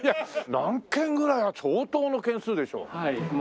何軒ぐらいが相当の軒数でしょう？